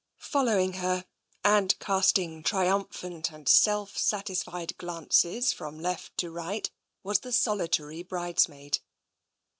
Following her, and casting triumphant and self sat isfied glances from left to right, was the solitary brides maid.